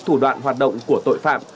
thủ đoạn hoạt động của tội phạm